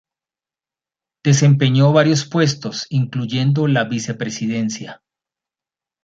Desempeñó varios puestos, incluyendo la vicepresidencia.